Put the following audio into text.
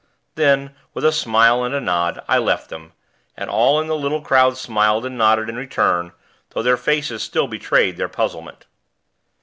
Then, with a smile and a nod, I left them, and all in the little crowd smiled and nodded in return, though their faces still betrayed their puzzlement.